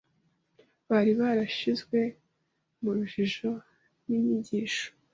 Bari barashyizwe mu rujijo n’inyigisho